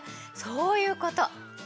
そういうこと。